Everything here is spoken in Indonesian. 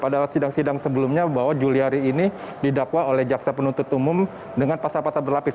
pada sidang sidang sebelumnya bahwa juliari ini didakwa oleh jaksa penuntut umum dengan pasal pasal berlapis